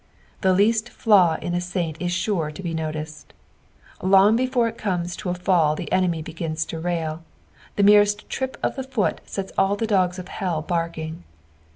The least flaw in a saint is sure to be noticed ; lon^ before it comes to n fall the enemy beigns to rail, the merest trip of ihe foot Kts all the dogs of hell barking.